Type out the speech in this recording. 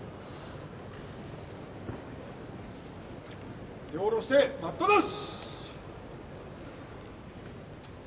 手を下ろして、待ったなし。